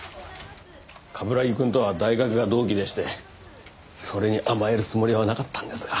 冠城くんとは大学が同期でしてそれに甘えるつもりはなかったんですが。